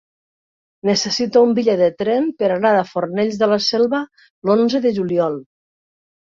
Necessito un bitllet de tren per anar a Fornells de la Selva l'onze de juliol.